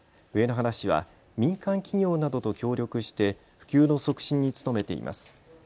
上野原市は民間企業などと協力して普及の促進に努めています。